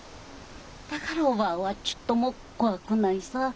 だからおばぁはちっとも怖くないさぁ。